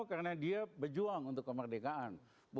karena dia berjuang untuk kemerdekaan